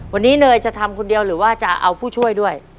วันนี้เนยจะทำคนเดียวหรือว่าจะเอาผู้ช่วยด้วย